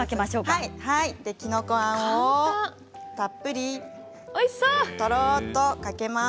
きのこあんをたっぷりおいしそうにかけます。